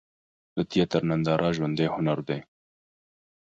د تیاتر ننداره ژوندی هنر دی.